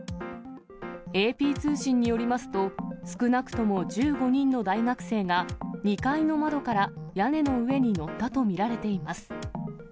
ＡＰ通信によりますと、少なくとも１５人の大学生が、２階の窓から屋根の上に乗ったと見られています。